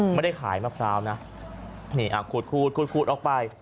ไม่ได้ขายมะพร้าวนะนี่ขูดขูดออกไป